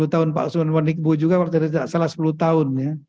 sepuluh tahun pak usman wanigbo juga kalau tidak salah sepuluh tahun